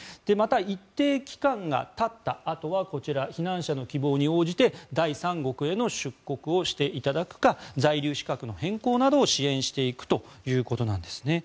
また、一定期間がたったあとは避難者の希望に応じて第三国への出国をしていただくか在留資格の変更などを支援していくということです。